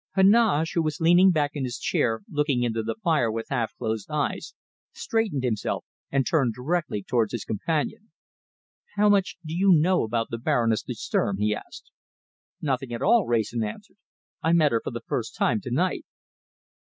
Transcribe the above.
Heneage, who was leaning back in his chair, looking into the fire with half closed eyes, straightened himself, and turned directly towards his companion. "How much do you know about the Baroness de Sturm?" he asked. "Nothing at all," Wrayson answered. "I met her for the first time to night."